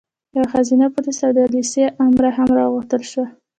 یوه ښځینه پولیسه او د لېسې امره هم راغوښتل شوې وه.